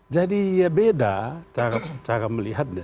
jadi ya beda cara melihatnya